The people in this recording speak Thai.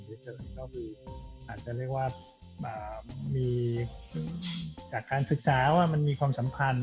ก็คืออาจจะเรียกว่ามีจากการศึกษาว่ามันมีความสัมพันธ์